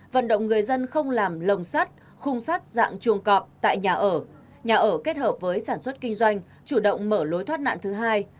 vận động người dân không làm lồng sắt khung sắt dạng chuồng cọp tại nhà ở nhà ở kết hợp với sản xuất kinh doanh chủ động mở lối thoát nạn thứ hai